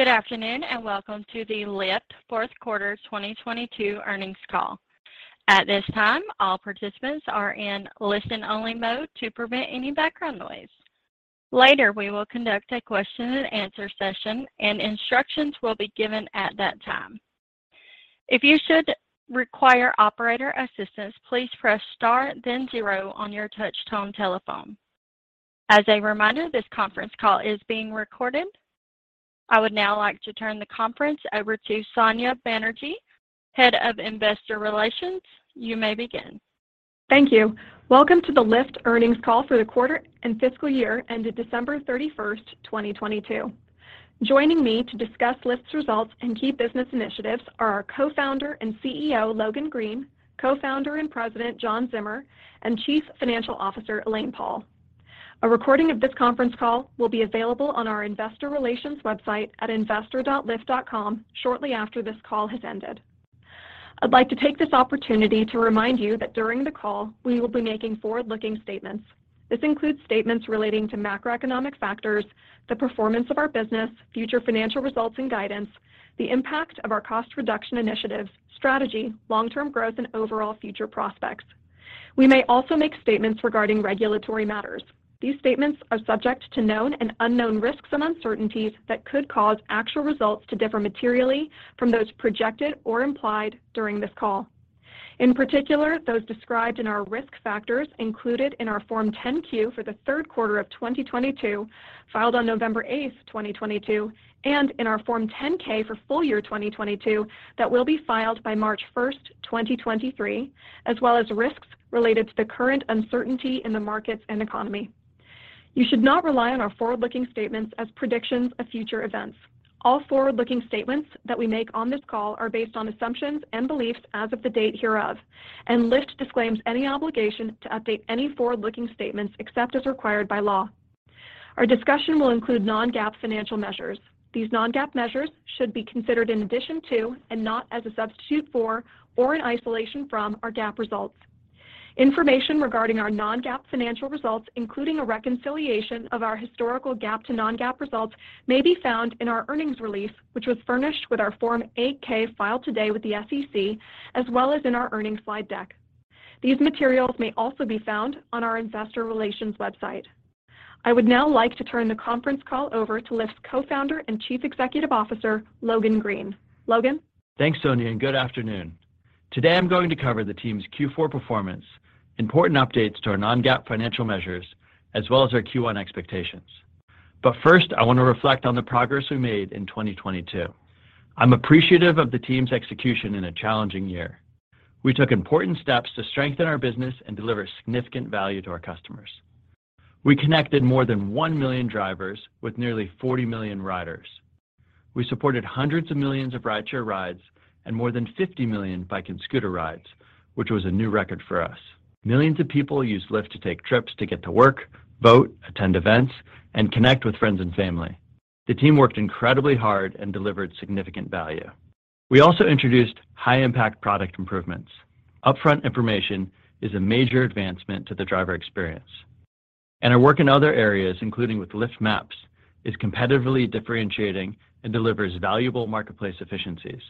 Good afternoon, welcome to the Lyft fourth quarter 2022 earnings call. At this time, all participants are in listen-only mode to prevent any background noise. Later, we will conduct a question and answer session and instructions will be given at that time. If you should require operator assistance, please press star then zero on your touch-tone telephone. As a reminder, this conference call is being recorded. I would now like to turn the conference over to Sonya Banerjee, Head of Investor Relations. You may begin. Thank you. Welcome to the Lyft earnings call for the quarter and fiscal year ended December 31st, 2022. Joining me to discuss Lyft's results and key business initiatives are our Co-founder and CEO, Logan Green, Co-founder and President, John Zimmer, and Chief Financial Officer, Elaine Paul. A recording of this conference call will be available on our investor relations website at investor.lyft.com shortly after this call has ended. I'd like to take this opportunity to remind you that during the call, we will be making forward-looking statements. This includes statements relating to macroeconomic factors, the performance of our business, future financial results and guidance, the impact of our cost reduction initiatives, strategy, long-term growth, and overall future prospects. We may also make statements regarding regulatory matters. These statements are subject to known and unknown risks and uncertainties that could cause actual results to differ materially from those projected or implied during this call. In particular, those described in our risk factors included in our Form 10-Q for the third quarter of 2022, filed on November 8th, 2022, and in our Form 10-K for full year 2022 that will be filed by March 1st, 2023, as well as risks related to the current uncertainty in the markets and economy. You should not rely on our forward-looking statements as predictions of future events. All forward-looking statements that we make on this call are based on assumptions and beliefs as of the date hereof. Lyft disclaims any obligation to update any forward-looking statements except as required by law. Our discussion will include non-GAAP financial measures. These non-GAAP measures should be considered in addition to and not as a substitute for or an isolation from our GAAP results. Information regarding our non-GAAP financial results, including a reconciliation of our historical GAAP to non-GAAP results, may be found in our earnings release, which was furnished with our Form 8-K filed today with the SEC, as well as in our earnings slide deck. These materials may also be found on our investor relations website. I would now like to turn the conference call over to Lyft's Co-founder and Chief Executive Officer, Logan Green. Logan? Thanks, Sonya, and good afternoon. Today, I'm going to cover the team's Q4 performance, important updates to our non-GAAP financial measures, as well as our Q1 expectations. First, I want to reflect on the progress we made in 2022. I'm appreciative of the team's execution in a challenging year. We took important steps to strengthen our business and deliver significant value to our customers. We connected more than 1 million drivers with nearly 40 million riders. We supported hundreds of millions of rideshare rides and more than 50 million bike and scooter rides, which was a new record for us. Millions of people used Lyft to take trips to get to work, vote, attend events, and connect with friends and family. The team worked incredibly hard and delivered significant value. We also introduced high-impact product improvements. Upfront information is a major advancement to the driver experience. Our work in other areas, including with Lyft Maps, is competitively differentiating and delivers valuable marketplace efficiencies.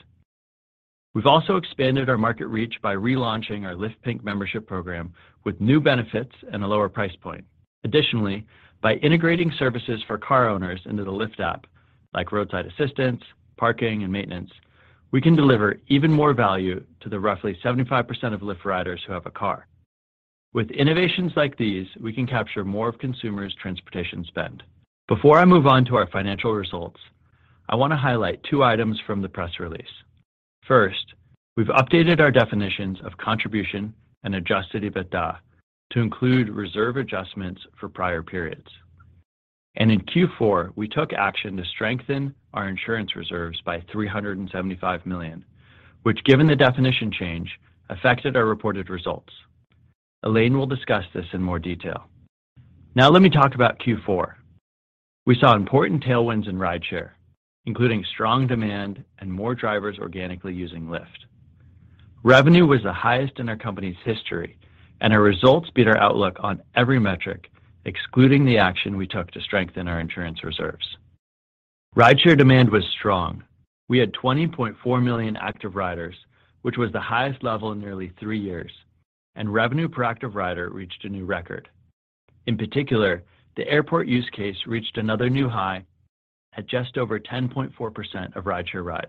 We've also expanded our market reach by relaunching our Lyft Pink membership program with new benefits and a lower price point. Additionally, by integrating services for car owners into the Lyft app, like roadside assistance, parking, and maintenance, we can deliver even more value to the roughly 75% of Lyft riders who have a car. With innovations like these, we can capture more of consumers' transportation spend. Before I move on to our financial results, I wanna highlight two items from the press release. First, we've updated our definitions of contribution and adjusted EBITDA to include reserve adjustments for prior periods. In Q4, we took action to strengthen our insurance reserves by $375 million, which, given the definition change, affected our reported results. Elaine will discuss this in more detail. Let me talk about Q4. We saw important tailwinds in rideshare, including strong demand and more drivers organically using Lyft. Revenue was the highest in our company's history, and our results beat our outlook on every metric, excluding the action we took to strengthen our insurance reserves. Rideshare demand was strong. We had 20.4 million active riders, which was the highest level in nearly three years, and revenue per active rider reached a new record. In particular, the airport use case reached another new high at just over 10.4% of rideshare rides,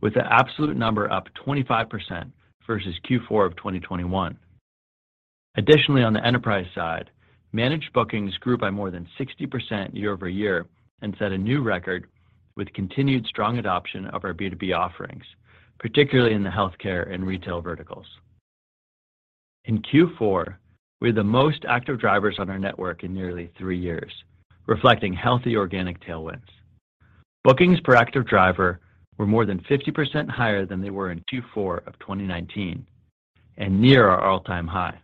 with the absolute number up 25% versus Q4 of 2021. Additionally, on the enterprise side, managed bookings grew by more than 60% year-over-year and set a new record with continued strong adoption of our B2B offerings, particularly in the healthcare and retail verticals. In Q4, we had the most active drivers on our network in nearly 3 years, reflecting healthy organic tailwinds. Bookings per active driver were more than 50% higher than they were in Q4 of 2019 and near our all-time high.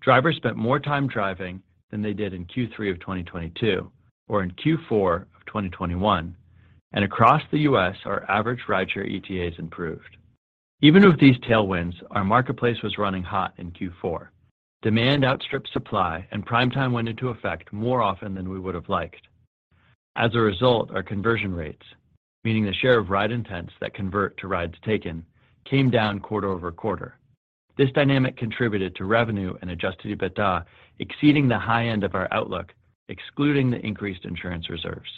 Drivers spent more time driving than they did in Q3 of 2022 or in Q4 of 2021. Across the U.S., our average rideshare ETAs improved. Even with these tailwinds, our marketplace was running hot in Q4. Demand outstripped supply and Primetime went into effect more often than we would have liked. Our conversion rates, meaning the share of ride intents that convert to rides taken, came down quarter-over-quarter. This dynamic contributed to revenue and adjusted EBITDA exceeding the high end of our outlook, excluding the increased insurance reserves.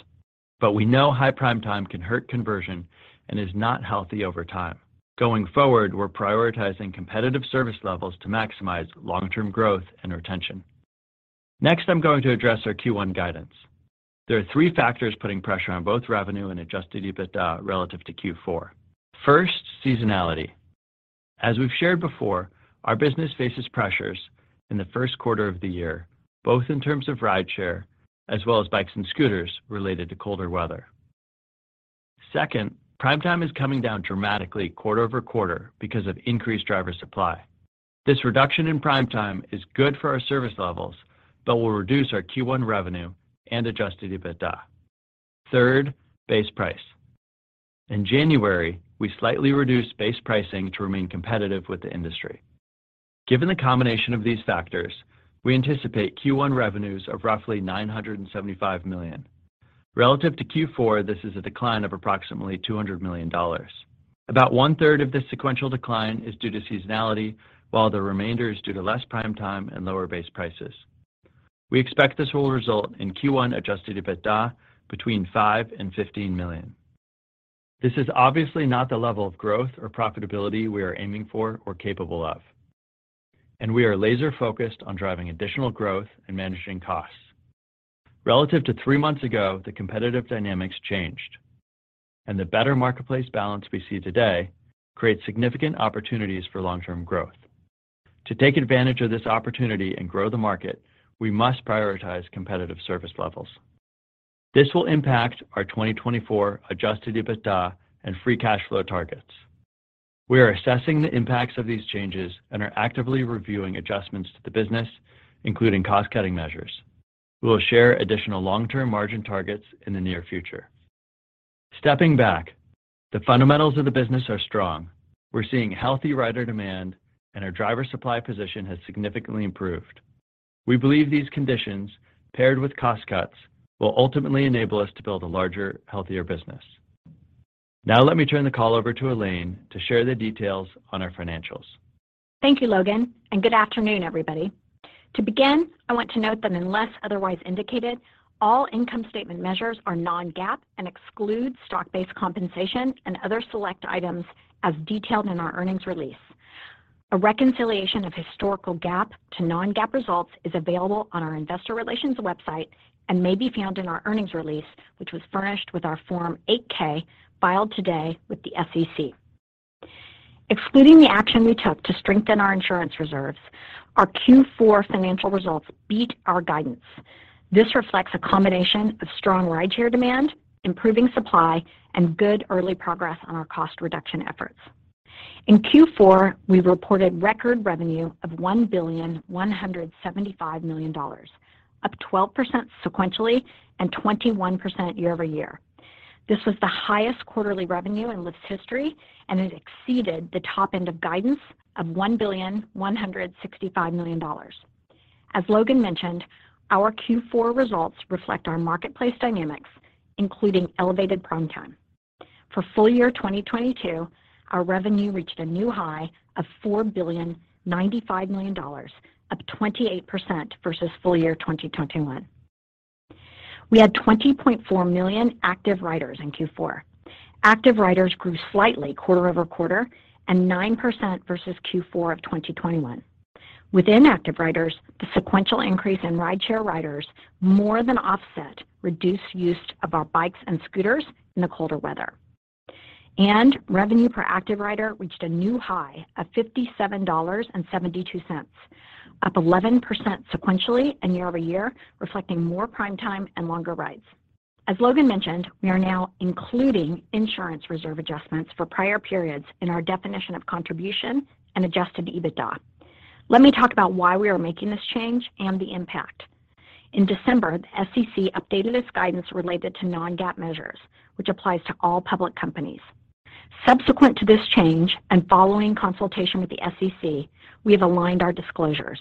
We know high Primetime can hurt conversion and is not healthy over time. Going forward, we're prioritizing competitive service levels to maximize long-term growth and retention. I'm going to address our Q1 guidance. There are three factors putting pressure on both revenue and adjusted EBITDA relative to Q4. First, seasonality. As we've shared before, our business faces pressures in the first quarter of the year, both in terms of rideshare as well as bikes and scooters related to colder weather. Second, Primetime is coming down dramatically quarter-over-quarter because of increased driver supply. This reduction in Primetime is good for our service levels, but will reduce our Q1 revenue and adjusted EBITDA. Third, base price. In January, we slightly reduced base pricing to remain competitive with the industry. Given the combination of these factors, we anticipate Q1 revenues of roughly $975 million. Relative to Q4, this is a decline of approximately $200 million. About d of this sequential decline is due to seasonality, while the remainder is due to less Primetime and lower base prices. We expect this will result in Q1 adjusted EBITDA between $5 million-$15 million. This is obviously not the level of growth or profitability we are aiming for or capable of, and we are laser-focused on driving additional growth and managing costs. Relative to three months ago, the competitive dynamics changed, and the better marketplace balance we see today creates significant opportunities for long-term growth. To take advantage of this opportunity and grow the market, we must prioritize competitive service levels. This will impact our 2024 adjusted EBITDA and free cash flow targets. We are assessing the impacts of these changes and are actively reviewing adjustments to the business, including cost-cutting measures. We will share additional long-term margin targets in the near future. Stepping back, the fundamentals of the business are strong. We're seeing healthy rider demand, and our driver supply position has significantly improved. We believe these conditions, paired with cost cuts, will ultimately enable us to build a larger, healthier business. Now let me turn the call over to Elaine to share the details on our financials. Thank you, Logan, and good afternoon, everybody. To begin, I want to note that unless otherwise indicated, all income statement measures are non-GAAP and exclude stock-based compensation and other select items as detailed in our earnings release. A reconciliation of historical GAAP to non-GAAP results is available on our investor relations website and may be found in our earnings release, which was furnished with our Form 8-K filed today with the SEC. Excluding the action we took to strengthen our insurance reserves, our Q4 financial results beat our guidance. This reflects a combination of strong rideshare demand, improving supply, and good early progress on our cost reduction efforts. In Q4, we reported record revenue of $1.175 billion, up 12% sequentially and 21% year-over-year. This was the highest quarterly revenue in Lyft's history. It exceeded the top end of guidance of $1.165 billion. As Logan mentioned, our Q4 results reflect our marketplace dynamics, including elevated Primetime. For full year 2022, our revenue reached a new high of $4.095 billion, up 28% versus full year 2021. We had 20.4 million active riders in Q4. Active riders grew slightly quarter-over-quarter and 9% versus Q4 of 2021. Within active riders, the sequential increase in rideshare riders more than offset reduced use of our bikes and scooters in the colder weather. Revenue per active rider reached a new high of $57.72, up 11% sequentially and year-over-year, reflecting more Primetime and longer rides. As Logan mentioned, we are now including insurance reserve adjustments for prior periods in our definition of contribution and adjusted EBITDA. Let me talk about why we are making this change and the impact. In December, the SEC updated its guidance related to non-GAAP measures, which applies to all public companies. Subsequent to this change and following consultation with the SEC, we have aligned our disclosures.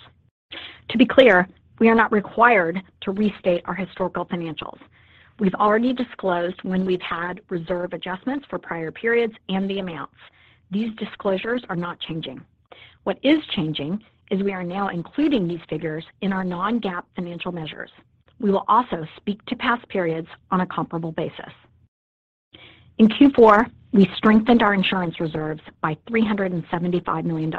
To be clear, we are not required to restate our historical financials. We've already disclosed when we've had reserve adjustments for prior periods and the amounts. These disclosures are not changing. What is changing is we are now including these figures in our non-GAAP financial measures. We will also speak to past periods on a comparable basis. In Q4, we strengthened our insurance reserves by $375 million.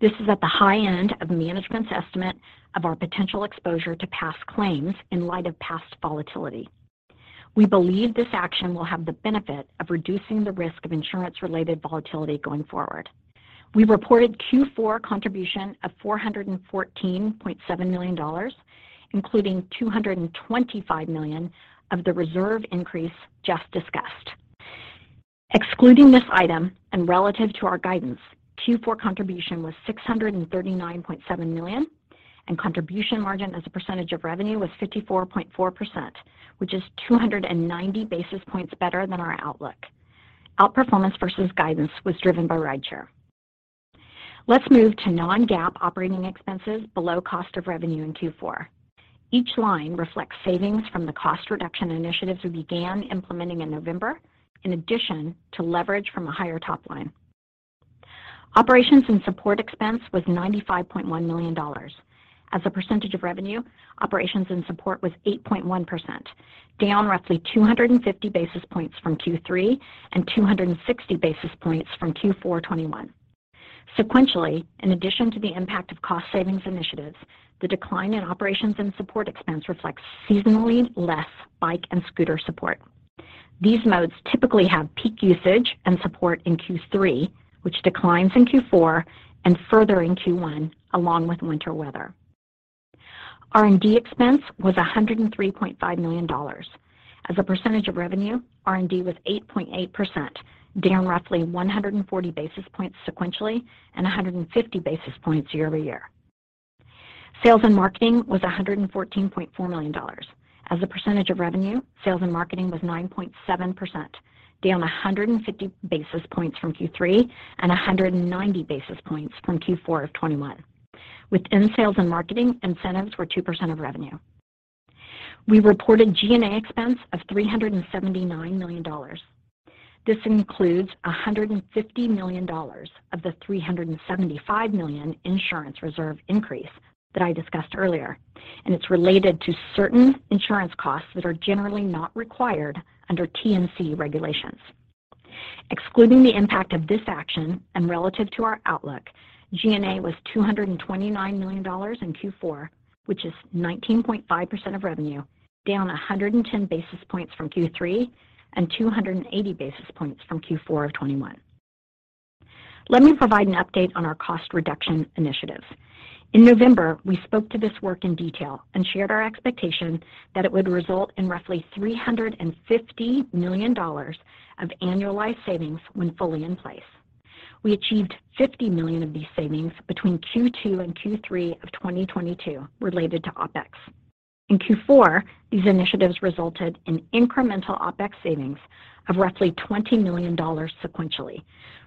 This is at the high end of management's estimate of our potential exposure to past claims in light of past volatility. We believe this action will have the benefit of reducing the risk of insurance-related volatility going forward. We reported Q4 contribution of $414.7 million, including $225 million of the reserve increase just discussed. Excluding this item and relative to our guidance, Q4 contribution was $639.7 million. Contribution margin as a percentage of revenue was 54.4%, which is 290 basis points better than our outlook. Outperformance versus guidance was driven by Rideshare. Let's move to non-GAAP operating expenses below cost of revenue in Q4. Each line reflects savings from the cost reduction initiatives we began implementing in November, in addition to leverage from a higher top line. Operations and support expense was $95.1 million. As a percentage of revenue, operations and support was 8.1%, down roughly 250 basis points from Q3 and 260 basis points from Q4 2021. Sequentially, in addition to the impact of cost savings initiatives, the decline in operations and support expense reflects seasonally less bike and scooter support. These modes typically have peak usage and support in Q3, which declines in Q4 and further in Q1, along with winter weather. R&D expense was $103.5 million. As a percentage of revenue, R&D was 8.8%, down roughly 140 basis points sequentially and 150 basis points year-over-year. Sales and marketing was $114.4 million. As a percentage of revenue, sales and marketing was 9.7%, down 150 basis points from Q3 and 190 basis points from Q4 of 2021. Within sales and marketing, incentives were 2% of revenue. We reported G&A expense of $379 million. This includes $150 million of the $375 million insurance reserve increase that I discussed earlier, and it's related to certain insurance costs that are generally not required under TNC regulations. Excluding the impact of this action and relative to our outlook, G&A was $229 million in Q4, which is 19.5% of revenue, down 110 basis points from Q3 and 280 basis points from Q4 of 2021. Let me provide an update on our cost reduction initiative. In November, we spoke to this work in detail and shared our expectation that it would result in roughly $350 million of annualized savings when fully in place. We achieved $50 million of these savings between Q2 and Q3 of 2022 related to OpEx. In Q4, these initiatives resulted in incremental OpEx savings of roughly $20 million sequentially,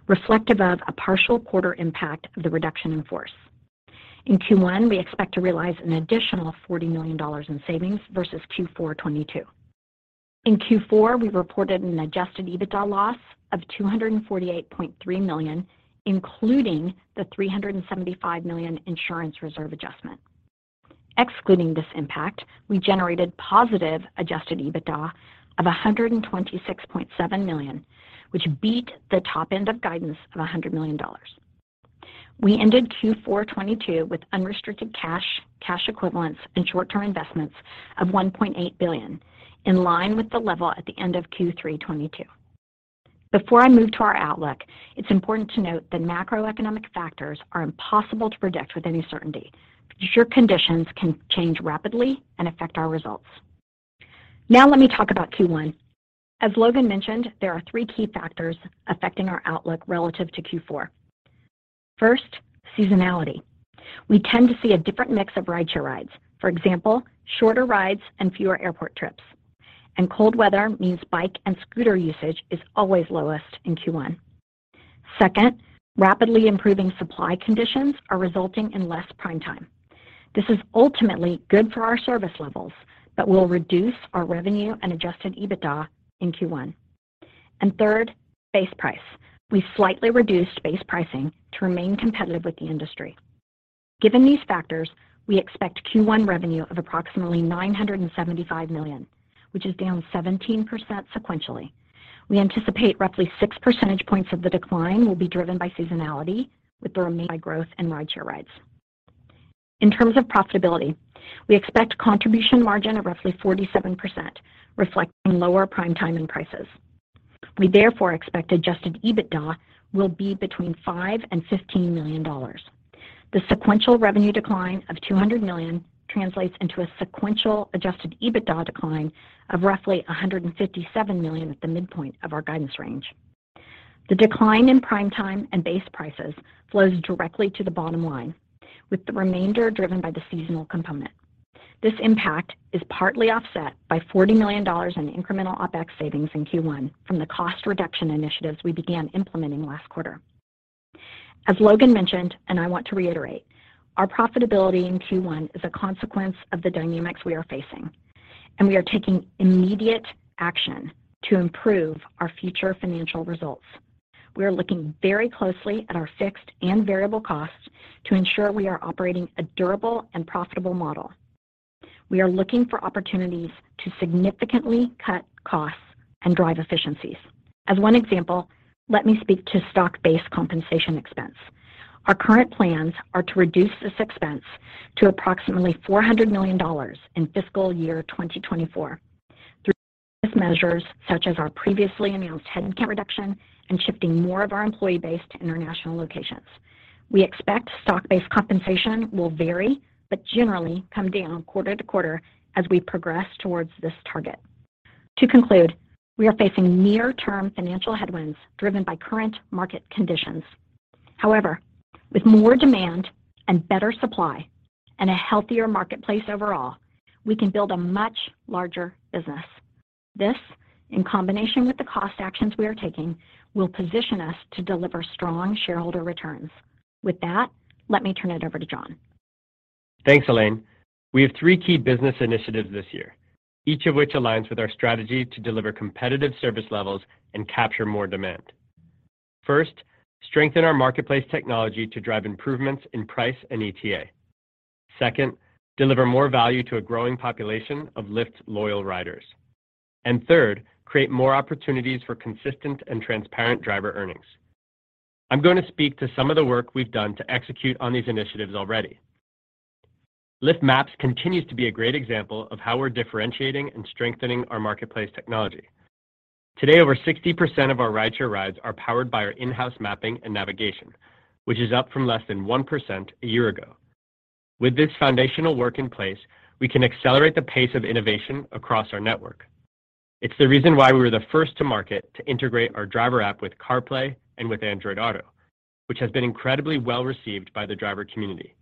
reflective of a partial quarter impact of the reduction in force. In Q1, we expect to realize an additional $40 million in savings versus Q4 2022. In Q4, we reported an adjusted EBITDA loss of $248.3 million, including the $375 million insurance reserve adjustment. Excluding this impact, we generated positive adjusted EBITDA of $126.7 million, which beat the top end of guidance of $100 million. We ended Q4 2022 with unrestricted cash equivalents, and short-term investments of $1.8 billion, in line with the level at the end of Q3 2022. Before I move to our outlook, it's important to note that macroeconomic factors are impossible to predict with any certainty. Future conditions can change rapidly and affect our results. Now let me talk about Q1. As Logan mentioned, there are three key factors affecting our outlook relative to Q4. First, seasonality. We tend to see a different mix of Rideshare rides. For example, shorter rides and fewer airport trips. Cold weather means bike and scooter usage is always lowest in Q1. Second, rapidly improving supply conditions are resulting in less Primetime. This is ultimately good for our service levels, but will reduce our revenue and adjusted EBITDA in Q1. Third, base price. We slightly reduced base pricing to remain competitive with the industry. Given these factors, we expect Q1 revenue of approximately $975 million, which is down 17% sequentially. We anticipate roughly six percentage points of the decline will be driven by seasonality, with the remainder by growth in Rideshare rides. In terms of profitability, we expect contribution margin of roughly 47%, reflecting lower Primetime and prices. We therefore expect adjusted EBITDA will be between $5 million and $15 million. The sequential revenue decline of $200 million translates into a sequential adjusted EBITDA decline of roughly $157 million at the midpoint of our guidance range. The decline in Primetime and base prices flows directly to the bottom line, with the remainder driven by the seasonal component. This impact is partly offset by $40 million in incremental OpEx savings in Q1 from the cost reduction initiatives we began implementing last quarter. As Logan mentioned, I want to reiterate, our profitability in Q1 is a consequence of the dynamics we are facing, we are taking immediate action to improve our future financial results. We are looking very closely at our fixed and variable costs to ensure we are operating a durable and profitable model. We are looking for opportunities to significantly cut costs and drive efficiencies. As one example, let me speak to stock-based compensation expense. Our current plans are to reduce this expense to approximately $400 million in fiscal year 2024 through measures such as our previously announced headcount reduction and shifting more of our employee base to international locations. We expect stock-based compensation will vary but generally come down quarter to quarter as we progress towards this target. To conclude, we are facing near-term financial headwinds driven by current market conditions. With more demand and better supply and a healthier marketplace overall, we can build a much larger business. This in combination with the cost actions we are taking, will position us to deliver strong shareholder returns. With that, let me turn it over to John. Thanks, Elaine. We have three key business initiatives this year, each of which aligns with our strategy to deliver competitive service levels and capture more demand. First, strengthen our marketplace technology to drive improvements in price and ETA. Second, deliver more value to a growing population of Lyft loyal riders. Third, create more opportunities for consistent and transparent driver earnings. I'm going to speak to some of the work we've done to execute on these initiatives already. Lyft Maps continues to be a great example of how we're differentiating and strengthening our marketplace technology. Today, over 60% of our rideshare rides are powered by our in-house mapping and navigation, which is up from less than 1% a year ago. With this foundational work in place, we can accelerate the pace of innovation across our network. It's the reason why we were the first to market to integrate our driver app with CarPlay and with Android Auto, which has been incredibly well-received by the driver community.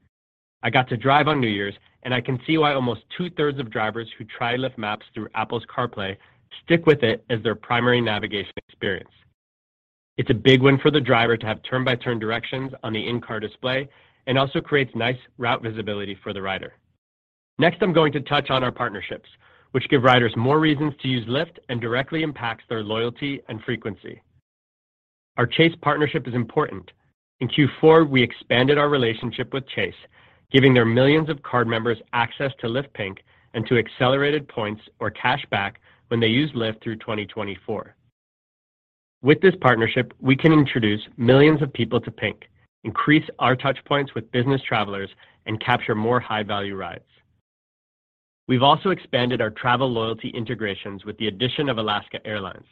I got to drive on New Year's, and I can see why almost two-thirds of drivers who try Lyft Maps through Apple's CarPlay stick with it as their primary navigation experience. It's a big win for the driver to have turn-by-turn directions on the in-car display and also creates nice route visibility for the rider. Next, I'm going to touch on our partnerships, which give riders more reasons to use Lyft and directly impacts their loyalty and frequency. Our Chase partnership is important. In Q4, we expanded our relationship with Chase, giving their millions of card members access to Lyft Pink and to accelerated points or cashback when they use Lyft through 2024. With this partnership, we can introduce millions of people to Pink, increase our touch points with business travelers and capture more high-value rides. We've also expanded our travel loyalty integrations with the addition of Alaska Airlines.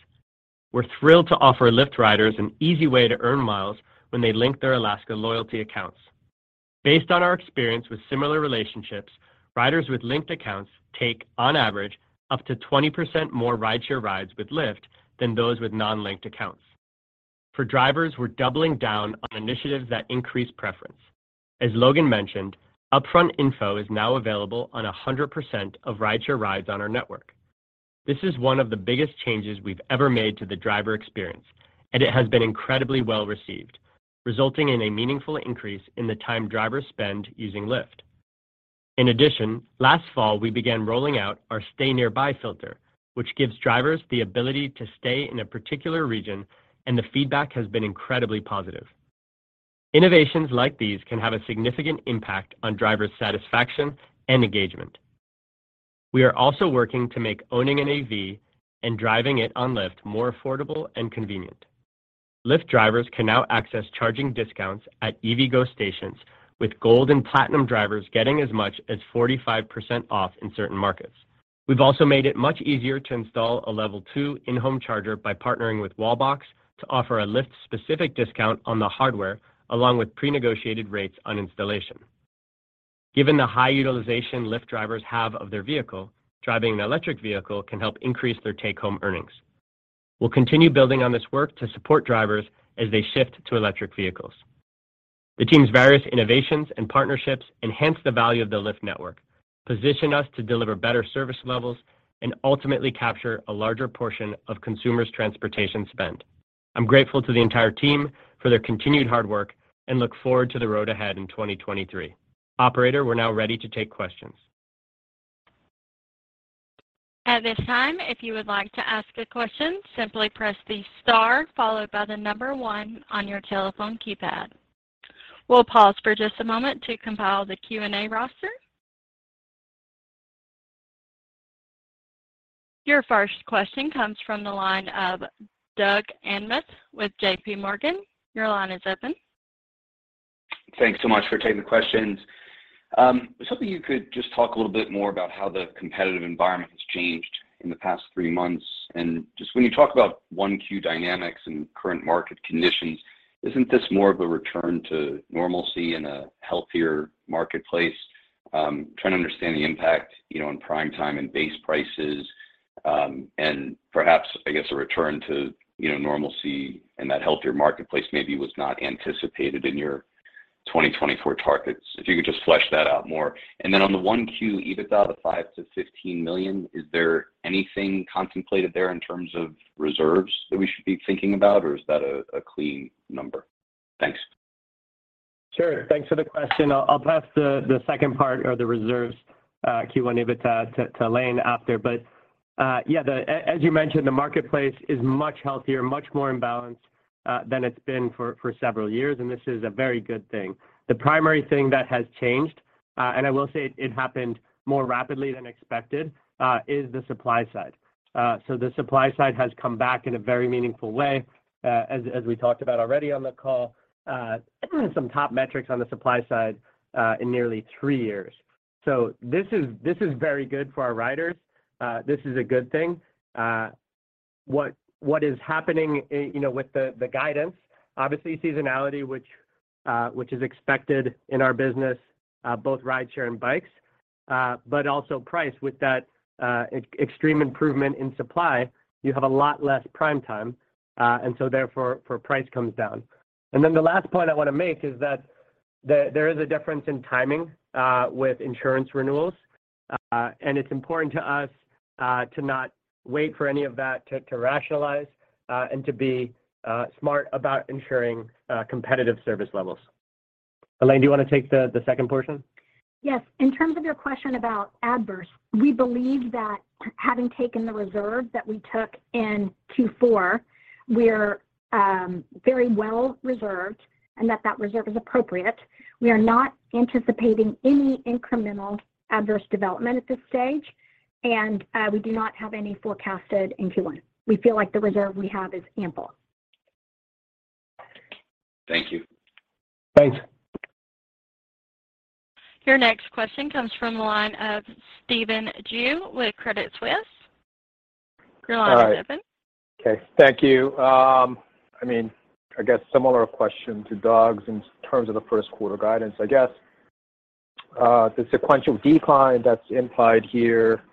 We're thrilled to offer Lyft riders an easy way to earn miles when they link their Alaska loyalty accounts. Based on our experience with similar relationships, riders with linked accounts take, on average, up to 20% more rideshare rides with Lyft than those with non-linked accounts. For drivers, we're doubling down on initiatives that increase preference. As Logan mentioned, upfront info is now available on 100% of rideshare rides on our network. This is one of the biggest changes we've ever made to the driver experience, it has been incredibly well-received, resulting in a meaningful increase in the time drivers spend using Lyft. In addition, last fall, we began rolling out our Stay Nearby filter, which gives drivers the ability to stay in a particular region, and the feedback has been incredibly positive. Innovations like these can have a significant impact on driver satisfaction and engagement. We are also working to make owning an AV and driving it on Lyft more affordable and convenient. Lyft drivers can now access charging discounts at EVgo stations, with gold and platinum drivers getting as much as 45% off in certain markets. We've also made it much easier to install a level two in-home charger by partnering with Wallbox to offer a Lyft-specific discount on the hardware along with prenegotiated rates on installation. Given the high utilization Lyft drivers have of their vehicle, driving an electric vehicle can help increase their take-home earnings. We'll continue building on this work to support drivers as they shift to electric vehicles. The team's various innovations and partnerships enhance the value of the Lyft network, position us to deliver better service levels, and ultimately capture a larger portion of consumers' transportation spend. I'm grateful to the entire team for their continued hard work and look forward to the road ahead in 2023. Operator, we're now ready to take questions. At this time, if you would like to ask a question, simply press the star followed by the number one on your telephone keypad. We'll pause for just a moment to compile the Q&A roster. Your first question comes from the line of Doug Anmuth with JP Morgan. Your line is open. Thanks so much for taking the questions. I was hoping you could just talk a little bit more about how the competitive environment has changed in the past three months. Just when you talk about 1Q dynamics and current market conditions, isn't this more of a return to normalcy in a healthier marketplace? Trying to understand the impact, you know, on Primetime and base prices, and perhaps, I guess, a return to, you know, normalcy and that healthier marketplace maybe was not anticipated in your 2024 targets. If you could just flesh that out more. Then on the 1Q EBITDA, the $5 million-$15 million, is there anything contemplated there in terms of reserves that we should be thinking about, or is that a clean number? Thanks. Sure. Thanks for the question. I'll pass the second part or the reserves, Q1 EBITDA to Elaine after. As you mentioned, the marketplace is much healthier, much more in balance than it's been for several years, and this is a very good thing. The primary thing that has changed, and I will say it happened more rapidly than expected, is the supply side. The supply side has come back in a very meaningful way, as we talked about already on the call, some top metrics on the supply side in nearly three years. This is very good for our riders. This is a good thing. What is happening, you know, with the guidance, obviously seasonality, which is expected in our business, both rideshare and bikes, but also price. With that, extreme improvement in supply, you have a lot less Primetime, therefore price comes down. The last point I want to make is that there is a difference in timing with insurance renewals. It's important to us to not wait for any of that to rationalize, and to be smart about ensuring competitive service levels. Elaine, do you want to take the second portion? In terms of your question about adverse, we believe that having taken the reserve that we took in Q4, we're very well reserved and that that reserve is appropriate. We are not anticipating any incremental adverse development at this stage. We do not have any forecasted in Q1. We feel like the reserve we have is ample. Thank you. Thanks. Your next question comes from the line of Stephen Ju with Credit Suisse. Your line is open. Okay. Thank you. I mean, I guess similar question to Doug's in terms of the first quarter guidance. I guess, the sequential decline that's implied here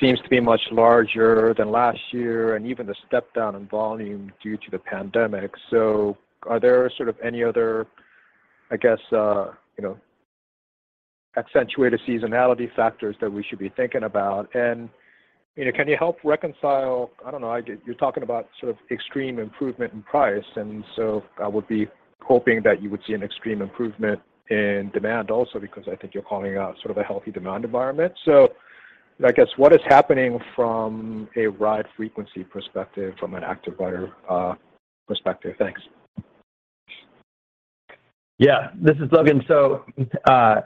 seems to be much larger than last year and even the step down in volume due to the pandemic. Are there sort of any other, I guess, you know, accentuated seasonality factors that we should be thinking about? You know, can you help reconcile-- I don't know. You're talking about sort of extreme improvement in price, I would be hoping that you would see an extreme improvement in demand also because I think you're calling out sort of a healthy demand environment. I guess what is happening from a ride frequency perspective, from an active rider, perspective? Thanks. This is Logan.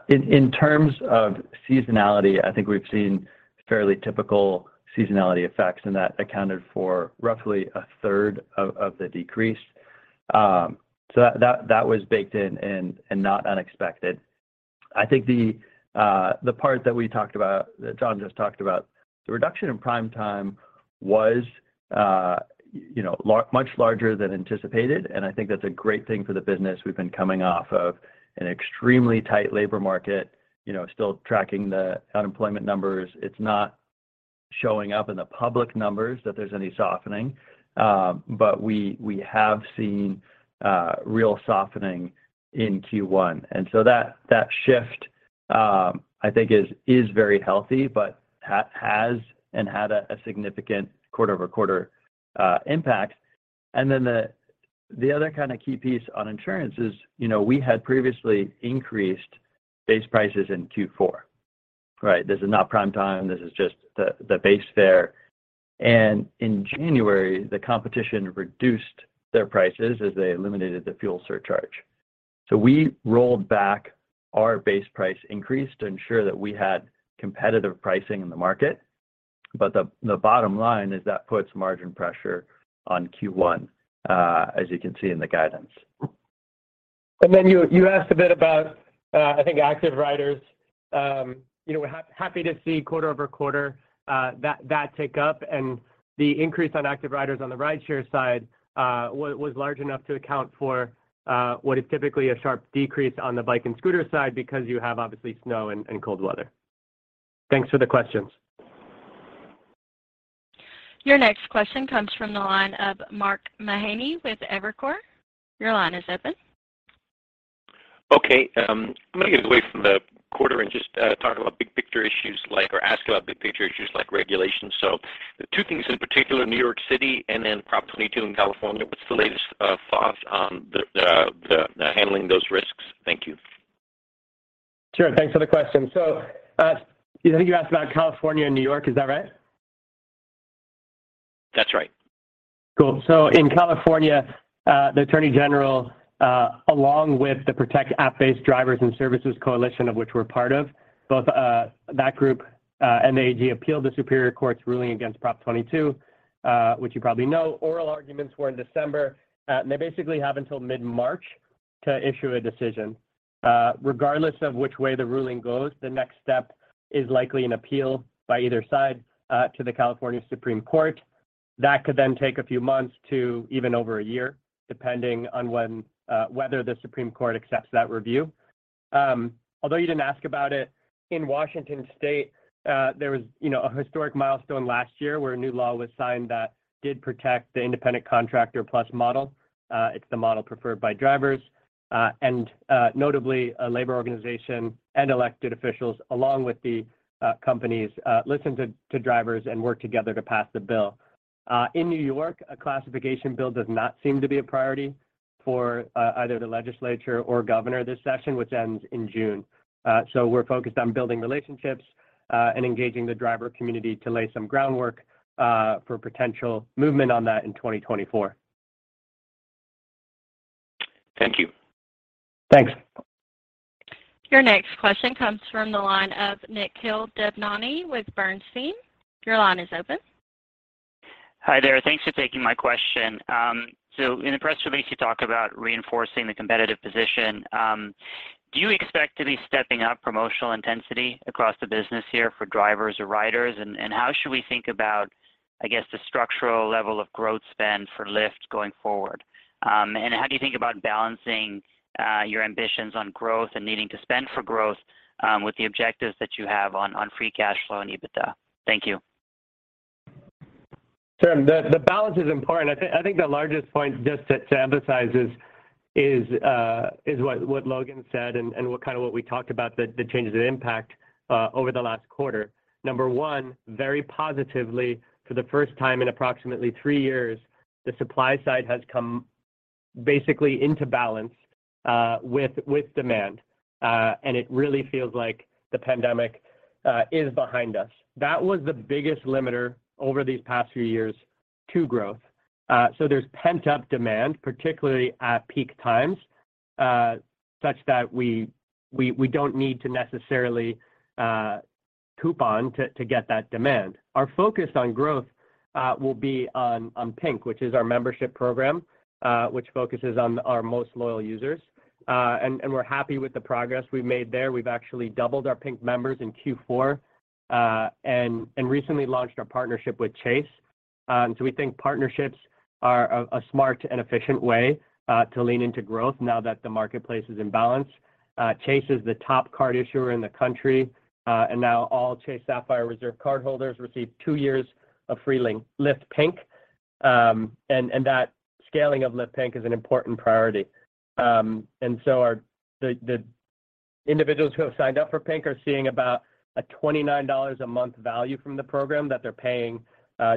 In terms of seasonality, I think we've seen fairly typical seasonality effects, and that accounted for roughly a third of the decrease. That was baked in and not unexpected. I think the part that we talked about, that John just talked about, the reduction in Primetime was, you know, much larger than anticipated, and I think that's a great thing for the business. We've been coming off of an extremely tight labor market, you know, still tracking the unemployment numbers. It's not showing up in the public numbers that there's any softening, but we have seen real softening in Q1. That shift, I think is very healthy, but has and had a significant quarter-over-quarter impact. The other kind of key piece on insurance is, you know, we had previously increased base prices in Q4, right? This is not Primetime. This is just the base fare. In January, the competition reduced their prices as they eliminated the fuel surcharge. We rolled back our base price increase to ensure that we had competitive pricing in the market. The bottom line is that puts margin pressure on Q1, as you can see in the guidance. You asked a bit about, I think, active riders. You know, we're happy to see quarter-over-quarter that tick up. The increase on active riders on the rideshare side, was large enough to account for, what is typically a sharp decrease on the bike and scooter side because you have obviously snow and cold weather. Thanks for the questions. Your next question comes from the line of Mark Mahaney with Evercore. Your line is open. Okay. I'm gonna get away from the quarter and just talk about big picture issues like or ask about big picture issues like regulations. 2 things in particular, New York City and then Prop 22 in California. What's the latest thoughts on the handling those risks? Thank you. Sure. Thanks for the question. I think you asked about California and New York. Is that right? That's right. Cool. In California, the attorney general, along with the Protect App-Based Drivers & Services Coalition, of which we're part of, both that group, and the AG appealed the Superior Court's ruling against Prop 22, which you probably know. Oral arguments were in December. They basically have until mid-March to issue a decision. Regardless of which way the ruling goes, the next step is likely an appeal by either side, to the California Supreme Court. That could then take a few months to even over a year, depending on when, whether the Supreme Court accepts that review. Although you didn't ask about it, in Washington state, there was, you know, a historic milestone last year where a new law was signed that did protect the independent contractor plus model. It's the model preferred by drivers, and notably a labor organization and elected officials along with the companies, listened to drivers and worked together to pass the bill. In New York, a classification bill does not seem to be a priority for either the legislature or governor this session, which ends in June. We're focused on building relationships, and engaging the driver community to lay some groundwork for potential movement on that in 2024. Thank you. Thanks. Your next question comes from the line of Nikhil Devnani with Bernstein. Your line is open. Hi, there. Thanks for taking my question. In the press release, you talk about reinforcing the competitive position. Do you expect to be stepping up promotional intensity across the business here for drivers or riders? How should we think about, I guess, the structural level of growth spend for Lyft going forward? How do you think about balancing your ambitions on growth and needing to spend for growth with the objectives that you have on free cash flow and EBITDA? Thank you. Sure. The balance is important. I think the largest point just to emphasize is what Logan said and what kind of what we talked about the changes that impact over the last quarter. Number 1, very positively for the first time in approximately 3 years, the supply side has come basically into balance with demand. It really feels like the pandemic is behind us. That was the biggest limiter over these past few years to growth. There's pent-up demand, particularly at peak times, such that we don't need to necessarily coupon to get that demand. Our focus on growth will be on Pink, which is our membership program, which focuses on our most loyal users. We're happy with the progress we've made there. We've actually doubled our Pink members in Q4, and recently launched our partnership with Chase. We think partnerships are a smart and efficient way to lean into growth now that the marketplace is in balance. Chase is the top card issuer in the country, and now all Chase Sapphire Reserve cardholders receive 2 years of free Lyft Pink. That scaling of Lyft Pink is an important priority. So the individuals who have signed up for Pink are seeing about a $29 a month value from the program that they're paying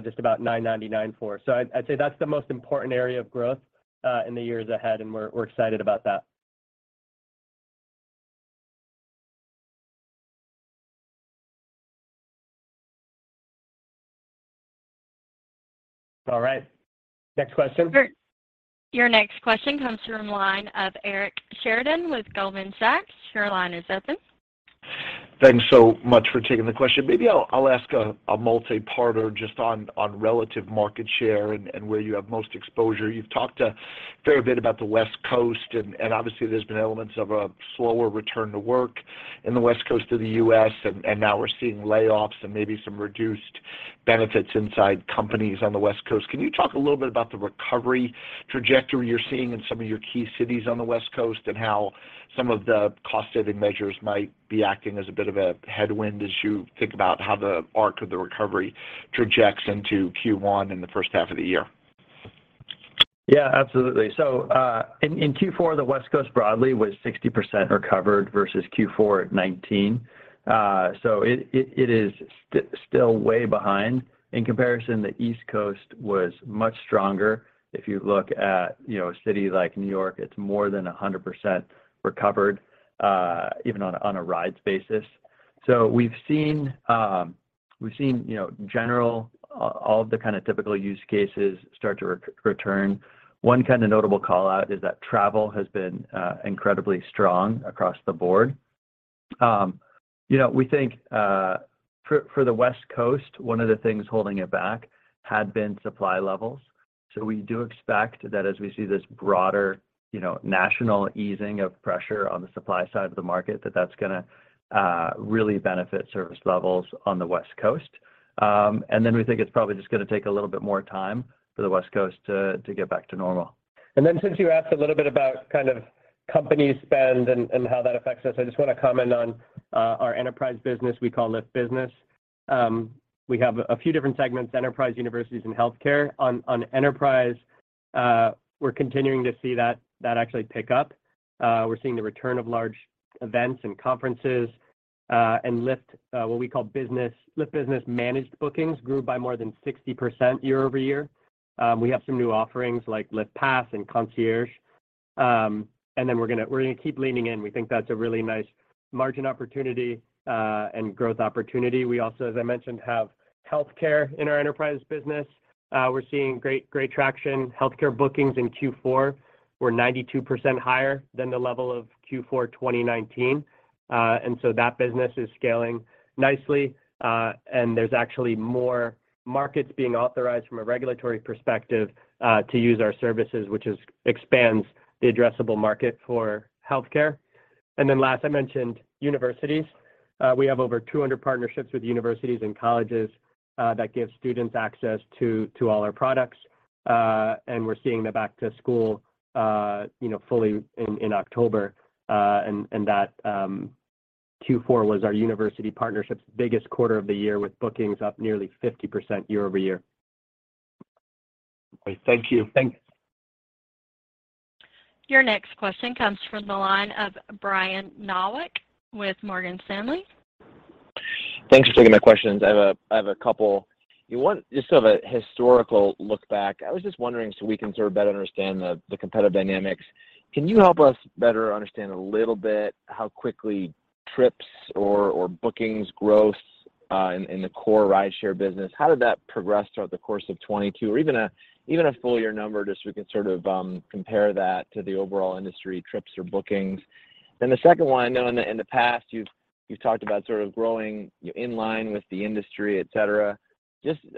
just about $9.99 for. I'd say that's the most important area of growth in the years ahead, and we're excited about that. All right. Next question. Your next question comes from the line of Eric Sheridan with Goldman Sachs. Your line is open. Thanks so much for taking the question. Maybe I'll ask a multi-parter just on relative market share and where you have most exposure. You've talked a fair bit about the West Coast. Obviously there's been elements of a slower return to work in the West Coast of the U.S. Now we're seeing layoffs and maybe some reduced benefits inside companies on the West Coast. Can you talk a little bit about the recovery trajectory you're seeing in some of your key cities on the West Coast, and how some of the cost-saving measures might be acting as a bit of a headwind as you think about how the arc of the recovery trajects into Q1 in the first half of the year? Yeah, absolutely. In Q4, the West Coast broadly was 60% recovered versus Q4 at 19. It is still way behind. In comparison, the East Coast was much stronger. If you look at, you know, a city like New York, it's more than 100% recovered, even on a rides basis. We've seen, you know, general, all of the kind of typical use cases start to return. One kind of notable call-out is that travel has been incredibly strong across the board. You know, we think, for the West Coast, one of the things holding it back had been supply levels. We do expect that as we see this broader, you know, national easing of pressure on the supply side of the market, that that's gonna really benefit service levels on the West Coast. Then we think it's probably just gonna take a little bit more time for the West Coast to get back to normal. Since you asked a little bit about kind of company spend and how that affects us, I just want to comment on our enterprise business we call Lyft Business. We have a few different segments, enterprise, universities, and healthcare. On enterprise, we're continuing to see that actually pick up. We're seeing the return of large events and conferences, and Lyft, what we call Lyft Business managed bookings grew by more than 60% year-over-year. We have some new offerings like Lyft Pass and Concierge. We're gonna keep leaning in. We think that's a really nice margin opportunity and growth opportunity. We also, as I mentioned, have healthcare in our enterprise business. We're seeing great traction. Healthcare bookings in Q4 were 92% higher than the level of Q4 2019. That business is scaling nicely, and there's actually more markets being authorized from a regulatory perspective to use our services, which expands the addressable market for healthcare. Last, I mentioned universities. We have over 200 partnerships with universities and colleges that give students access to all our products. We're seeing the back to school, you know, fully in October. That Q4 was our university partnerships biggest quarter of the year with bookings up nearly 50% year-over-year. Thank you. Thanks. Your next question comes from the line of Brian Nowak with Morgan Stanley. Thanks for taking my questions. I have a couple. Just sort of a historical look back. I was just wondering so we can sort of better understand the competitive dynamics. Can you help us better understand a little bit how quickly trips or bookings growth in the core rideshare business, how did that progress throughout the course of 2022 or even a full year number, just so we can sort of compare that to the overall industry trips or bookings? The second one, I know in the past you've talked about sort of growing in line with the industry, et cetera.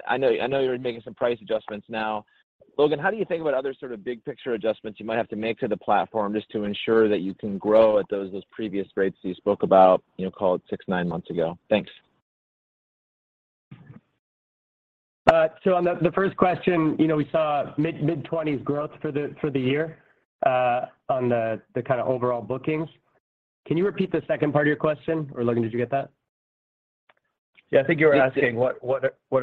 I know you're making some price adjustments now. Logan, how do you think about other sort of big picture adjustments you might have to make to the platform just to ensure that you can grow at those previous rates you spoke about, you know, call it six, nine months ago? Thanks. On the first question, you know, we saw mid-20s% growth for the year, on the kind of overall bookings. Can you repeat the second part of your question? Logan, did you get that? Yeah, I think you were asking what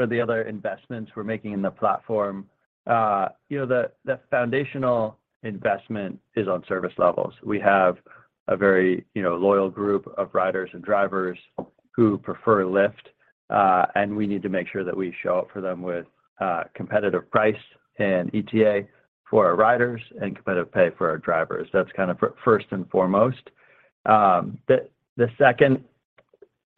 are the other investments we're making in the platform. you know, the foundational investment is on service levels. We have a very, you know, loyal group of riders and drivers who prefer Lyft, and we need to make sure that we show up for them with competitive price and ETA for our riders and competitive pay for our drivers. That's kind of first and foremost. The second,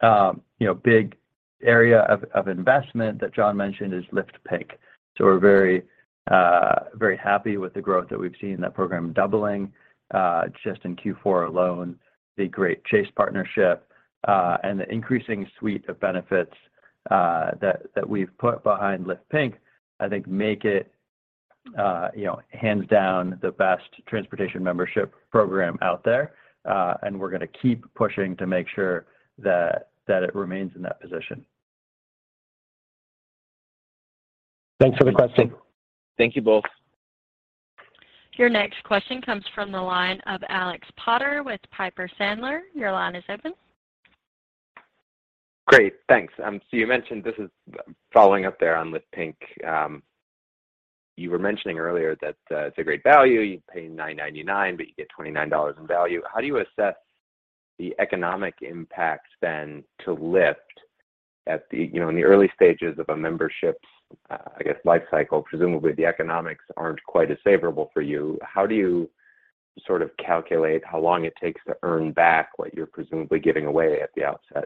you know, big area of investment that John mentioned is Lyft Pink. We're very, very happy with the growth that we've seen, that program doubling just in Q4 alone. The great Chase partnership, and the increasing suite of benefits, that we've put behind Lyft Pink, I think make it, you know, hands down the best transportation membership program out there. We're gonna keep pushing to make sure that it remains in that position. Thanks for the question. Thank you both. Your next question comes from the line of Alex Potter with Piper Sandler. Your line is open. Great. Thanks. You mentioned this is following up there on Lyft Pink. You were mentioning earlier that it's a great value. You pay $9.99, but you get $29 in value. How do you assess the economic impact then to Lyft at the, you know, in the early stages of a membership's, I guess life cycle? Presumably the economics aren't quite as favorable for you. How do you sort of calculate how long it takes to earn back what you're presumably giving away at the outset?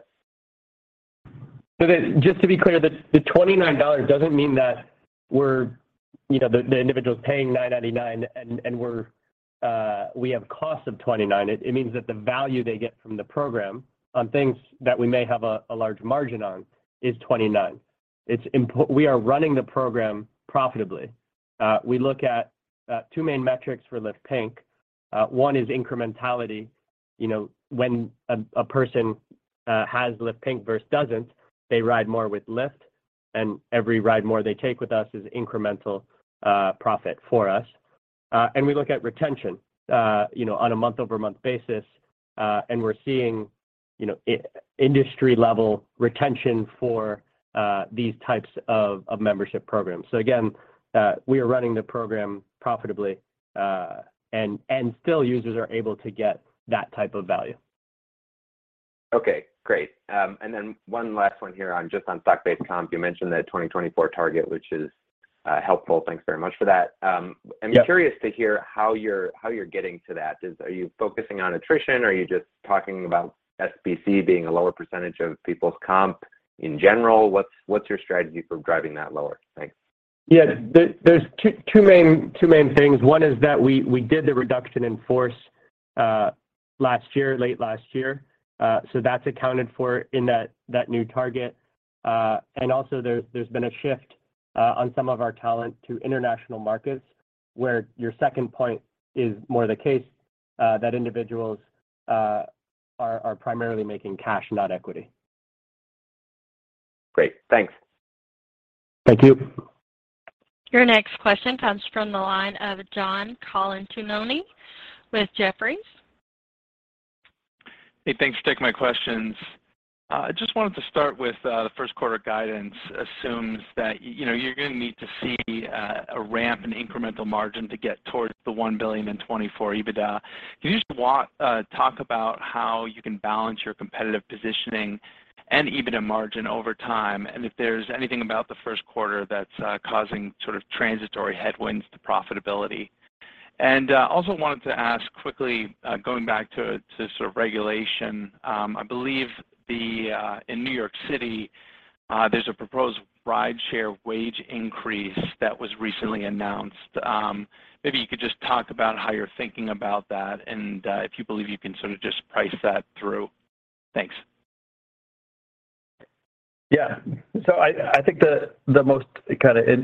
Just to be clear, the $29 doesn't mean that we're, you know, the individual's paying $9.99 and we're, we have costs of $29. It means that the value they get from the program on things that we may have a large margin on is $29. We are running the program profitably. We look at two main metrics for Lyft Pink. One is incrementality. You know, when a person has Lyft Pink versus doesn't, they ride more with Lyft, and every ride more they take with us is incremental profit for us. We look at retention, you know, on a month-over-month basis. We're seeing, you know, industry level retention for these types of membership programs. Again, we are running the program profitably, and still users are able to get that type of value. Okay, great. One last one here on just on stock-based comp. You mentioned the 2024 target, which is helpful. Thanks very much for that. Yeah. I'm curious to hear how you're, how you're getting to that. Are you focusing on attrition or are you just talking about SBC being a lower % of people's comp in general? What's your strategy for driving that lower? Thanks. Yeah. There's two main things. One is that we did the reduction in force last year, late last year. So that's accounted for in that new target. Also there's been a shift on some of our talent to international markets where your second point is more the case, that individuals are primarily making cash, not equity. Great. Thanks. Thank you. Your next question comes from the line of John Colantuoni with Jefferies. Hey, thanks for taking my questions. I just wanted to start with, the first quarter guidance assumes that you know, you're gonna need to see a ramp in incremental margin to get towards the $1 billion in 2024 EBITDA. Can you just talk about how you can balance your competitive positioning and EBITDA margin over time, and if there's anything about the first quarter that's causing sort of transitory headwinds to profitability? Also wanted to ask quickly, going back to sort of regulation. I believe the in New York City, there's a proposed rideshare wage increase that was recently announced. Maybe you could just talk about how you're thinking about that and if you believe you can sort of just price that through. Thanks. Yeah. I think the most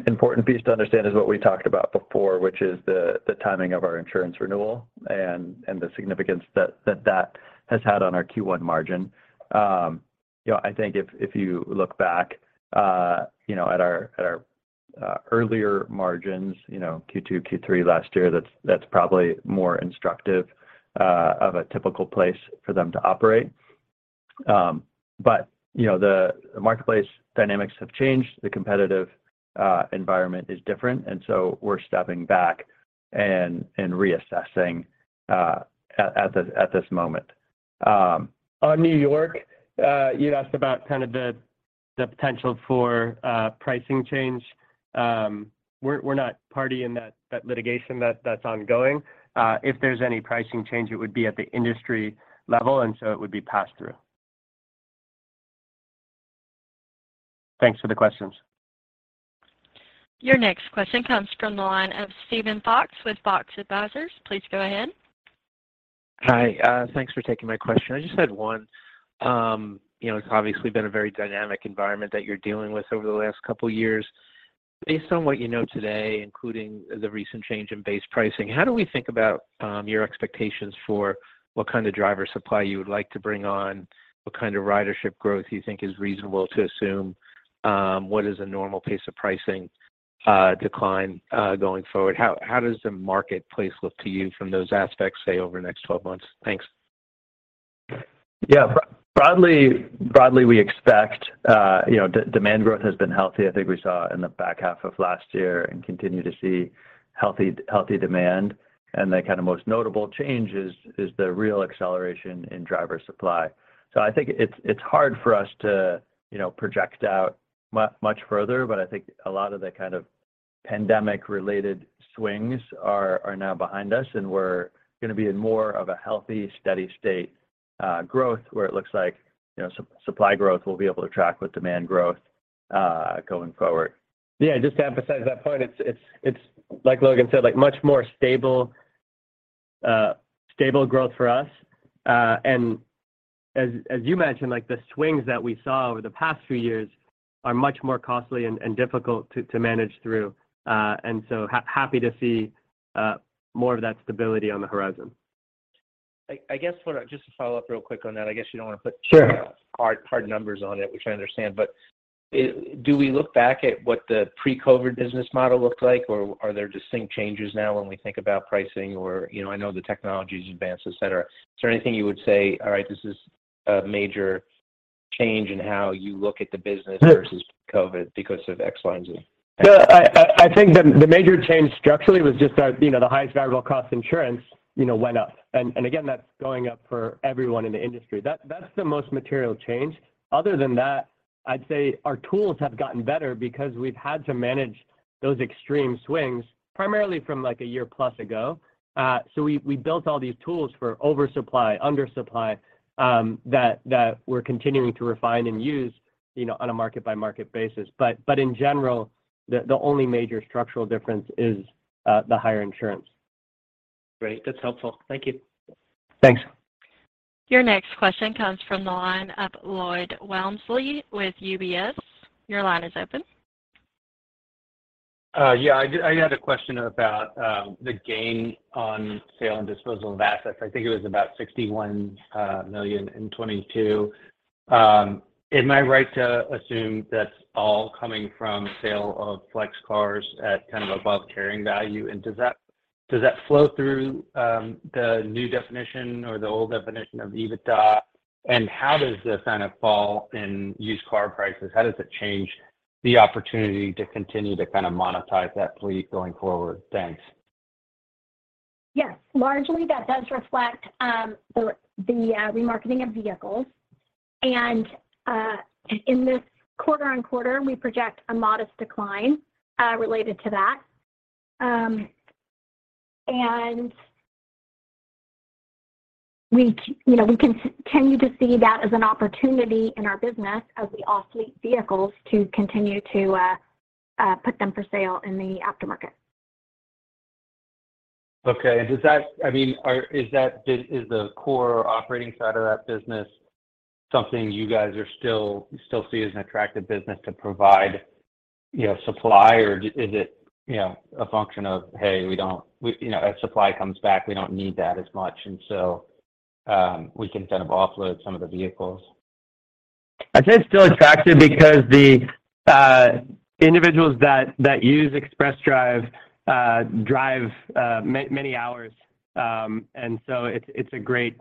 important piece to understand is what we talked about before, which is the timing of our insurance renewal and the significance that that has had on our Q1 margin. you know, I think if you look back, you know, at our earlier margins, you know, Q2, Q3 last year, that's probably more instructive of a typical place for them to operate. you know, the marketplace dynamics have changed. The competitive environment is different, we're stepping back and reassessing at this moment. On New York, you'd asked about kind of the potential for pricing change. We're not party in that litigation that's ongoing. If there's any pricing change, it would be at the industry level, so it would be passed through. Thanks for the questions. Your next question comes from the line of Steven Fox with Fox Advisors. Please go ahead. Hi, thanks for taking my question. I just had one. You know, it's obviously been a very dynamic environment that you're dealing with over the last couple years. Based on what you know today, including the recent change in base pricing, how do we think about your expectations for what kind of driver supply you would like to bring on? What kind of ridership growth you think is reasonable to assume? What is a normal pace of pricing decline going forward? How does the marketplace look to you from those aspects, say, over the next 12 months? Thanks. Yeah. Broadly, we expect, you know, demand growth has been healthy. I think we saw in the back half of last year and continue to see healthy demand, and the kind of most notable change is the real acceleration in driver supply. I think it's hard for us to, you know, project out much further, but I think a lot of the kind of pandemic-related swings are now behind us, and we're gonna be in more of a healthy, steady state growth where it looks like, you know, supply growth will be able to track with demand growth going forward. Yeah. Just to emphasize that point, it's, like Logan said, like, much more stable growth for us. As you mentioned, like, the swings that we saw over the past few years are much more costly and difficult to manage through. So happy to see, more of that stability on the horizon. I. Just to follow up real quick on that, I guess you don't want to put. Sure... hard numbers on it, which I understand. Do we look back at what the pre-COVID business model looked like, or are there distinct changes now when we think about pricing or... You know, I know the technology's advanced, et cetera. Is there anything you would say, all right, this is a major change in how you look at the business... No... versus COVID because of X, Y, and Z? No, I think the major change structurally was just our, you know, the highest variable cost insurance, you know, went up. Again, that's going up for everyone in the industry. That's the most material change. Other than that, I'd say our tools have gotten better because we've had to manage those extreme swings primarily from, like, a year plus ago. We built all these tools for oversupply, undersupply, that we're continuing to refine and use, you know, on a market by market basis. In general, the only major structural difference is the higher insurance. Great. That's helpful. Thank you. Thanks. Your next question comes from the line of Lloyd Walmsley with UBS. Your line is open. Yeah. I had a question about the gain on sale and disposal of assets. I think it was about $61 million in 2022. Am I right to assume that's all coming from sale of Flex cars at kind of above carrying value? Does that flow through the new definition or the old definition of EBITDA? How does this kind of fall in used car prices? How does it change the opportunity to continue to kind of monetize that fleet going forward? Thanks. Yes. Largely that does reflect the remarketing of vehicles. In this quarter-on-quarter, we project a modest decline related to that. We you know, we continue to see that as an opportunity in our business as we off fleet vehicles to continue to put them for sale in the aftermarket. Okay. I mean, is the core operating side of that business something you guys still see as an attractive business to provide, you know, supply? Or is it, you know, a function of, hey, we don't, you know, as supply comes back, we don't need that as much, and so, we can kind of offload some of the vehicles? I'd say it's still attractive because the individuals that use Express Drive drive many hours. It's a great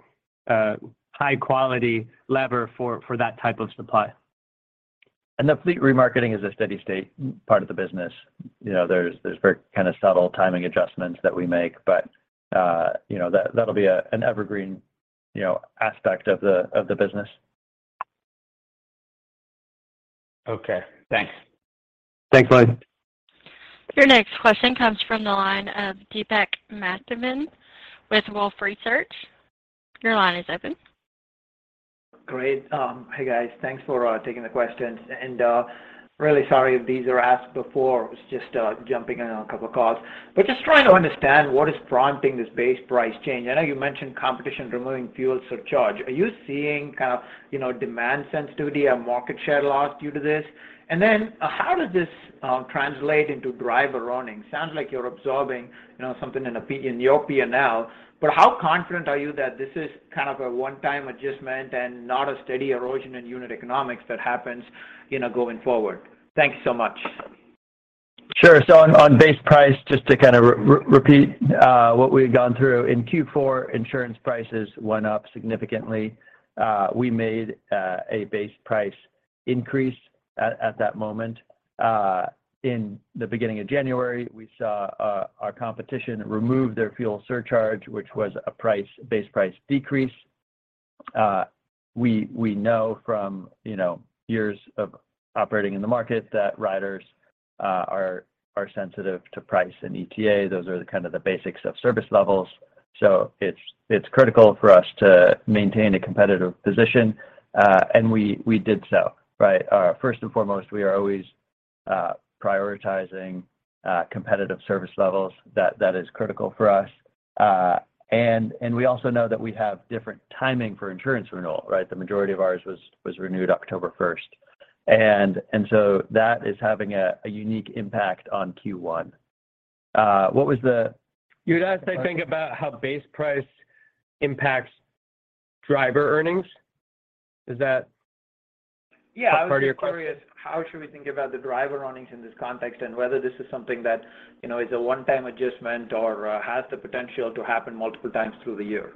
high quality lever for that type of supply. The fleet remarketing is a steady state part of the business. You know, there's very kind of subtle timing adjustments that we make, but, you know, that'll be a, an evergreen, you know, aspect of the, of the business. Okay, thanks. Thanks, Lloyd. Your next question comes from the line of Deepak Mathivanan with Wolfe Research. Your line is open. Great. Hey, guys. Thanks for taking the questions. Really sorry if these were asked before. Was just jumping in on a couple calls. Just trying to understand what is prompting this base price change. I know you mentioned competition removing fuel surcharge. Are you seeing kind of, you know, demand sensitivity or market share loss due to this? Then how does this translate into driver earnings? Sounds like you're absorbing, you know, something in your P&L. How confident are you that this is kind of a one-time adjustment and not a steady erosion in unit economics that happens, you know, going forward? Thank you so much. Sure. On base price, just to kind of repeat what we had gone through. In Q4, insurance prices went up significantly. We made a base price increase at that moment. In the beginning of January, we saw our competition remove their fuel surcharge, which was a price, base price decrease. We know from, you know, years of operating in the market that riders are sensitive to price and ETA. Those are kind of the basics of service levels. It's critical for us to maintain a competitive position. We did so, right? First and foremost, we are always Prioritizing, competitive service levels, that is critical for us. We also know that we have different timing for insurance renewal, right? The majority of ours was renewed October first. That is having a unique impact on Q1. You had asked, I think, about how base price impacts driver earnings. Is that? Yeah. Part of your question? I was just curious how should we think about the driver earnings in this context and whether this is something that, you know, is a one-time adjustment or has the potential to happen multiple times through the year?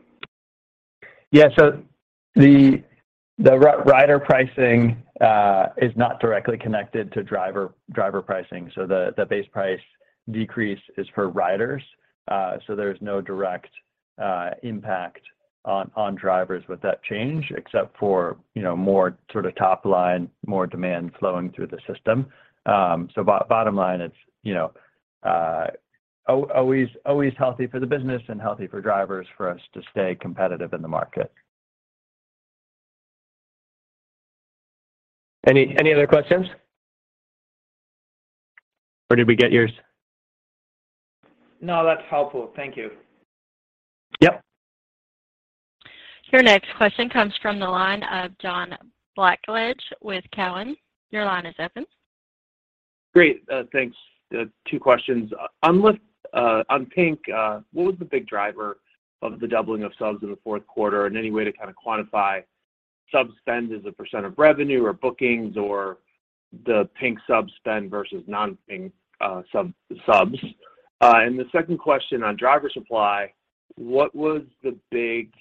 The rider pricing is not directly connected to driver pricing, so the base price decrease is for riders. There's no direct impact on drivers with that change except for, you know, more sort of top line, more demand flowing through the system. Bottom line, it's, you know, always healthy for the business and healthy for drivers for us to stay competitive in the market. Any other questions? Did we get yours? No, that's helpful. Thank you. Yep. Your next question comes from the line of John Blackledge with Cowen. Your line is open. Great. Thanks. Two questions. On Pink, what was the big driver of the doubling of subs in the fourth quarter? Any way to kind of quantify sub spend as a percent of revenue or bookings or the Pink sub spend versus non-Pink subs? The second question on driver supply, what was the big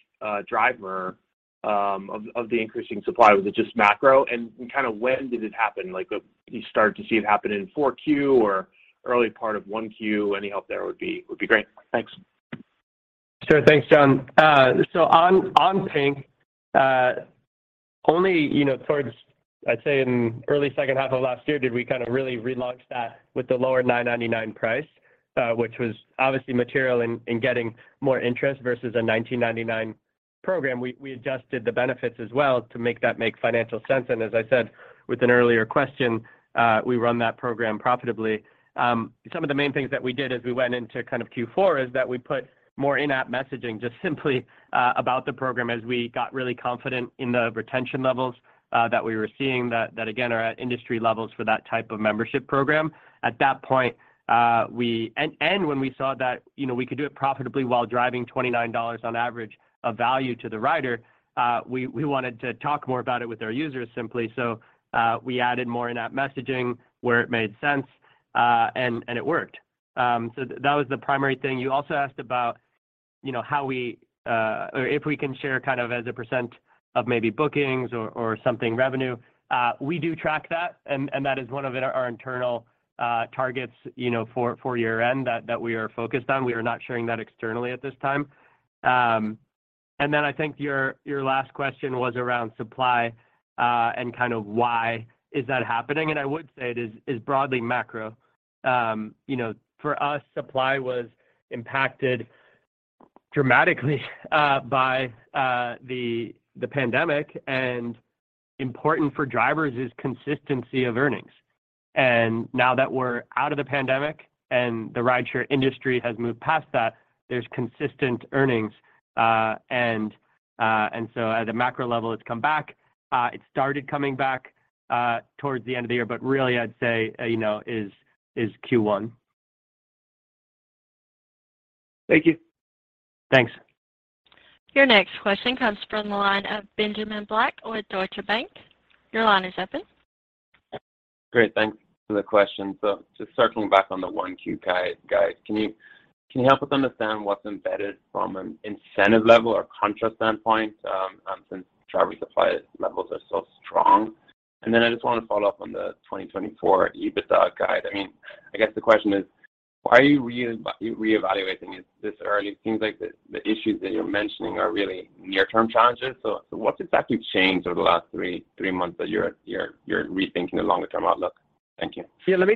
driver of the increasing supply? Was it just macro? Kind of when did it happen? Like, did you start to see it happen in 4Q or early part of 1Q? Any help there would be great. Thanks. Sure. Thanks, John. So on Lyft Pink, only, you know, towards, I'd say in early second half of last year did we kind of really relaunch that with the lower $9.99 price, which was obviously material in getting more interest versus a $19.99 program. We adjusted the benefits as well to make that make financial sense. As I said with an earlier question, we run that program profitably. Some of the main things that we did as we went into kind of Q4 is that we put more in-app messaging just simply about the program as we got really confident in the retention levels that we were seeing that again are at industry levels for that type of membership program. At that point, when we saw that, you know, we could do it profitably while driving $29 on average of value to the rider, we wanted to talk more about it with our users simply. We added more in-app messaging where it made sense, and it worked. That was the primary thing. You also asked about, you know, how we or if we can share kind of as a % of maybe bookings or something revenue. We do track that and that is one of our internal targets, you know, for year-end that we are focused on. We are not sharing that externally at this time. I think your last question was around supply, kind of why is that happening. I would say it is broadly macro. You know, for us, supply was impacted dramatically by the pandemic. Important for drivers is consistency of earnings. Now that we're out of the pandemic and the rideshare industry has moved past that, there's consistent earnings. At a macro level, it's come back. It started coming back towards the end of the year, but really I'd say, you know, is Q1. Thank you. Thanks. Your next question comes from the line of Benjamin Black with Deutsche Bank. Your line is open. Great. Thanks for the question. Just circling back on the 1-Q guide, can you help us understand what's embedded from an incentive level or contra standpoint, since driver supply levels are so strong? Then I just want to follow up on the 2024 EBITDA guide. I mean, I guess the question is why are you re-reevaluating it this early? It seems like the issues that you're mentioning are really near-term challenges. What exactly changed over the last 3 months that you're rethinking the longer term outlook? Thank you. Yeah. Let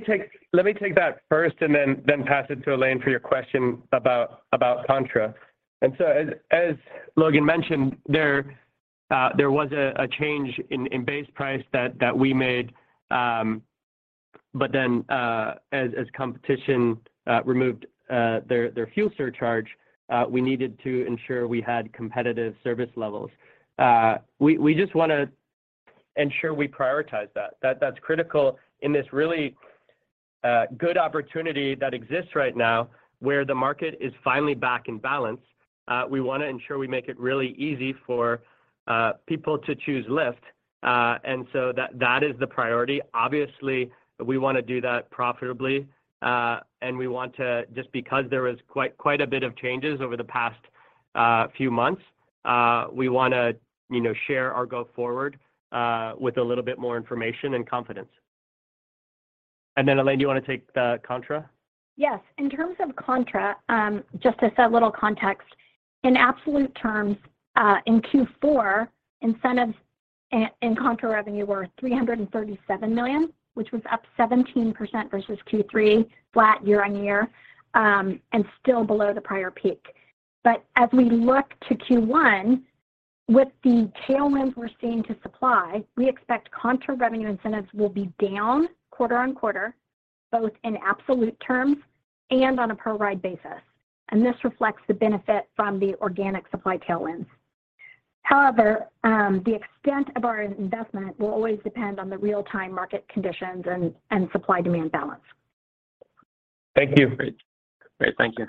me take that first then pass it to Elaine for your question about contra. As Logan mentioned, there was a change in base price that we made. As competition removed their fuel surcharge, we needed to ensure we had competitive service levels. We just wanna ensure we prioritize that. That's critical in this really good opportunity that exists right now where the market is finally back in balance. We wanna ensure we make it really easy for people to choose Lyft. That is the priority. Obviously, we wanna do that profitably, and we want to just because there was quite a bit of changes over the past few months, we wanna, you know, share our go forward with a little bit more information and confidence. Then, Elaine, do you wanna take the contra? Yes. In terms of contra, just to set a little context, in absolute terms, in Q4, incentives in contra revenue were $337 million, which was up 17% versus Q3, flat year-on-year, and still below the prior peak. As we look to Q1, with the tailwinds we're seeing to supply, we expect contra revenue incentives will be down quarter-on-quarter, both in absolute terms and on a per-ride basis. This reflects the benefit from the organic supply tailwinds. However, the extent of our investment will always depend on the real-time market conditions and supply-demand balance. Thank you. Great. Thank you.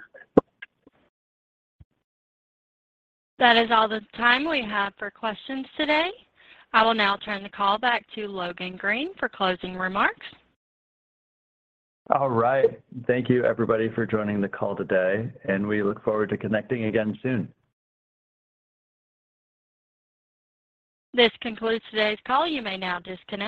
That is all the time we have for questions today. I will now turn the call back to Logan Green for closing remarks. All right. Thank you everybody for joining the call today, and we look forward to connecting again soon. This concludes today's call. You may now disconnect.